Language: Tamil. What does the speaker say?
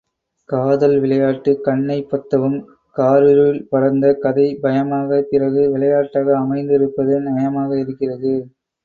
காதல் விளையாட்டு, கண்ணைப் பொத்தவும் காரிருள் படர்ந்த கதை பயமாக பிறகு விளையாட்டாக அமைந்திருப்பது நயமாக இருக்கிறது.